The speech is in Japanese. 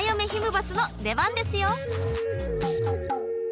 バスの出番ですよ！